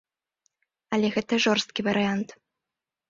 Але гэта жорсткі варыянт.